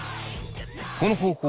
この方法